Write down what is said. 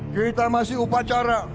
kita masih upacara